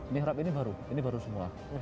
mihrab ini baru ini baru semua